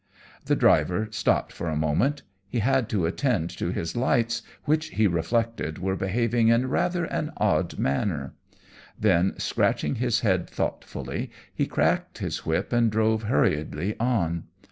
The driver stopped for a moment. He had to attend to his lights, which, he reflected, were behaving in rather an odd manner. Then, scratching his head thoughtfully, he cracked his whip and drove hurriedly on.